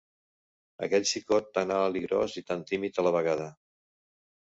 Aquell xicot tan alt i gros i tan tímid a la vegada